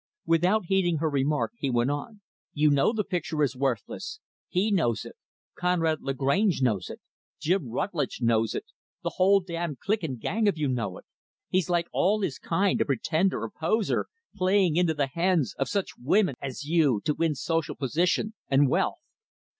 Without heeding her remark, he went on, "You know the picture is worthless. He knows it, Conrad Lagrange knows it, Jim Rutlidge knows it, the whole damned clique and gang of you know it, He's like all his kind, a pretender, a poser, playing into the hands of such women as you; to win social position and wealth.